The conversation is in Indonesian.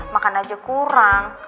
makan aja kurang